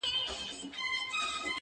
ښه ور نژدې كړې گراني_